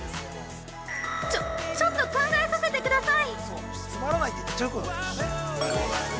ちょ、ちょっと考えさせてください。